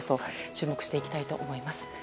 注目していきたいと思います。